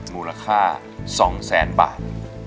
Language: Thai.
มูลค่า๒๐๐๐๐๐บาท